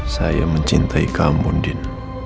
saya mencintai kamu din